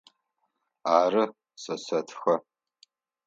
Ары, сэ сэтхэ.